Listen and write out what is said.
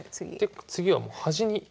次はもう端に。